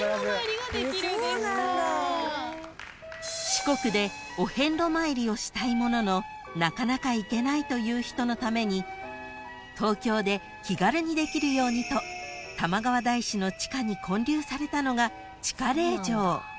［四国でお遍路参りをしたいもののなかなか行けないという人のために東京で気軽にできるようにと玉川大師の地下に建立されたのが地下霊場］